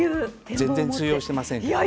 全然通用してませんけどね。